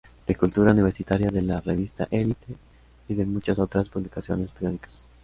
De Cultura Universitaria, de la revista Elite y de muchas otras publicaciones periódicas.